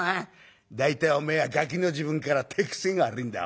大体おめえはガキの時分から手癖が悪いんだおめえは。